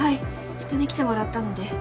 人に来てもらったので。